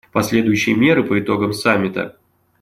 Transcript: Последующие меры по итогам Саммита.